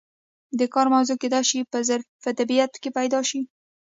د کار موضوع کیدای شي په طبیعت کې پیدا شي.